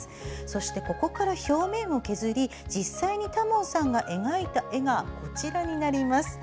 そして、ここから表面を削り実際に多聞さんが描いた絵がこちらです。